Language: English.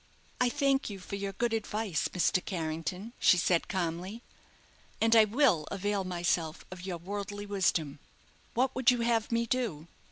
"I thank you for your good advice, Mr. Carrington," she said, calmly; "and I will avail myself of your worldly wisdom. What would you have me do?"